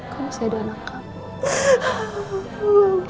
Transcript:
kamu masih ada anak kamu